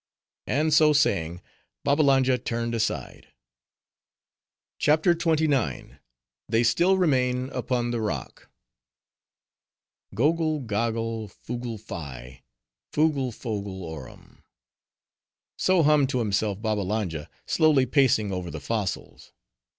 And so saying, Babbalanja turned aside. CHAPTER XXIX. They Still Remain Upon The Rock "Gogle goggle, fugle fi, fugle fogle orum," so hummed to himself Babbalanja, slowly pacing over the fossils.